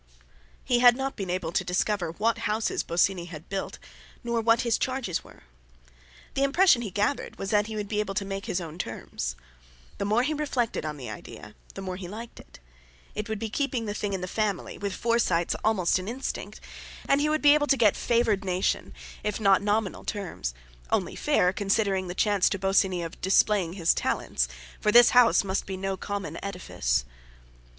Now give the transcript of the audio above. He had not been able to discover what houses Bosinney had built, nor what his charges were. The impression he gathered was that he would be able to make his own terms. The more he reflected on the idea, the more he liked it. It would be keeping the thing in the family, with Forsytes almost an instinct; and he would be able to get "favoured nation," if not nominal terms—only fair, considering the chance to Bosinney of displaying his talents, for this house must be no common edifice.